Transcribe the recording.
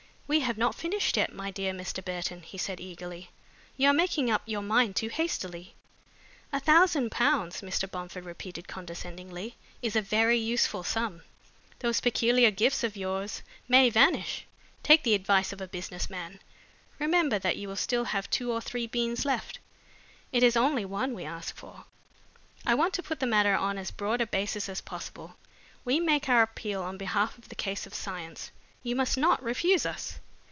"We have not finished yet, my dear Mr. Burton," he said eagerly. "You are making up your mind too hastily." "A thousand pounds," Mr. Bomford repeated, condescendingly, "is a very useful sum. Those peculiar gifts of yours may vanish. Take the advice of a business man. Remember that you will still have two or three beans left. It is only one we ask for. I want to put the matter on as broad a basis as possible. We make our appeal on behalf of the cause of science. You must not refuse us."